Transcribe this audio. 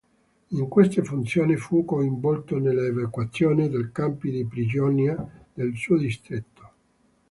In queste funzione fu coinvolto nell'evacuazione dei campi di prigionia nel suo distretto.